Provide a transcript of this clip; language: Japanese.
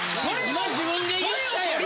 今自分で言ったやん！